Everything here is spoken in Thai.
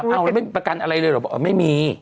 เอาแล้วไม่มีประกันอะไรเลยเหรอบอกไม่มี